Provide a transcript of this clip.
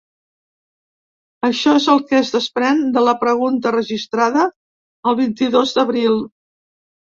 Això és el que es desprèn de la pregunta registrada el vint-i-dos d’abril.